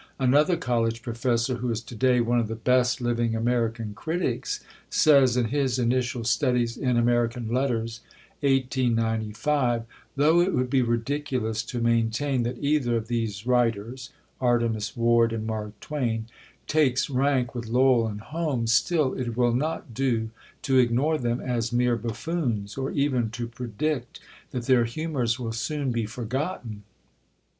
Another college professor, who is to day one of the best living American critics, says, in his Initial Studies in American Letters (1895), "Though it would be ridiculous to maintain that either of these writers [Artemus Ward and Mark Twain] takes rank with Lowell and Holmes, ... still it will not do to ignore them as mere buffoons, or even to predict that their humours will soon be forgotten."